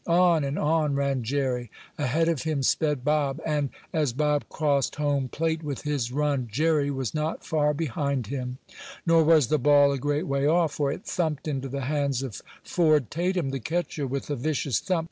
On and on ran Jerry. Ahead of him sped Bob. And as Bob crossed home plate with his run, Jerry was not far behind him. Nor was the ball a great way off, for it thumped into the hands of Ford Tatum, the catcher, with a vicious thump.